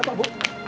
ada apa bu